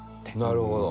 なるほど。